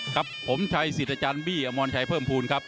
ครับผมชัยสิทธิ์อาจารย์บี้อมรชัยเพิ่มภูมิครับ